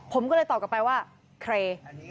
ผมก็เลยตอบกลับไปว่าเคร